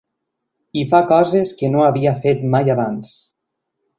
I fa coses que no havia fet mai abans.